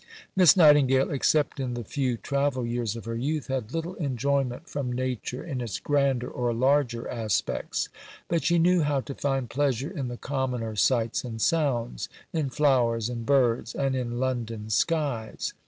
Miss Nightingale, except in the few travel years of her youth, had little enjoyment from nature in its grander or larger aspects, but she knew how to find pleasure in the commoner sights and sounds; in flowers and birds, and in London skies.